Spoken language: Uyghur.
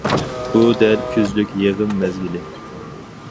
بۇ دەل كۈزلۈك يىغىم مەزگىلى.